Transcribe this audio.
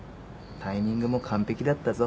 タイミングも完璧だったぞ。